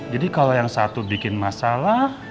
jadi kalau yang satu bikin masalah